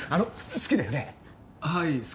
好きだよね？